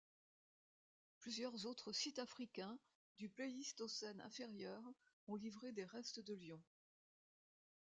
Plusieurs autres sites africains du Pléistocène inférieur ont livré des restes de lion.